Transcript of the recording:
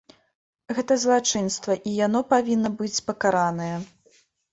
Гэта злачынства, і яно павінна быць пакаранае.